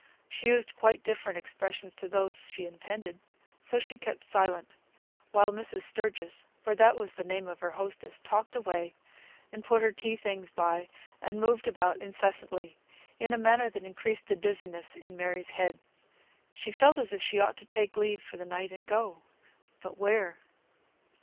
She used quite different expressions to those she intended. So she kept silent, while Mrs. Sturgis (for that was the name of her hostess) talked away, and put her tea things by, and moved about incessantly, in a manner that increased the dizziness in Mary's head. She felt as if she ought to take leave for the night and go. But where?